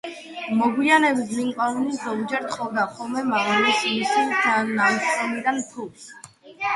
მოგვიანებით, ლინკოლნი ზოგჯერ თხოვდა ხოლმე მამამისს მისი ნაშრომიდან ფულს.